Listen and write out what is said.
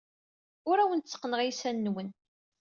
Ur awen-tteqqneɣ iysan-nwen.